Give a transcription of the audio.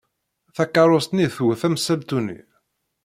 Takeṛṛust-nni twet amsaltu-nni.